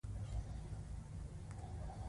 کله کله خپل وطن ته حيرانېږم.